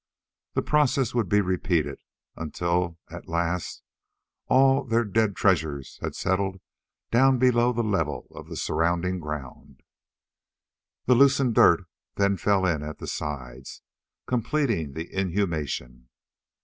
The process would be repeated until at last all their dead treasures had settled down below the level of the surrounding ground. The loosened dirt then fell in at the sides, completing the inhumation.